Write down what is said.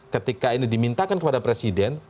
ketika ini dimintakan kepada presiden